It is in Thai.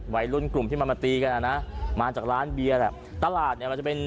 วัยรุ่นกลุ่มที่มันมาตีกันอ่ะนะมาจากร้านเบียร์แหละตลาดเนี่ยมันจะเป็น